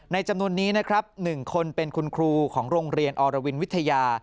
จำนวนนี้นะครับ๑คนเป็นคุณครูของโรงเรียนอรวินวิทยา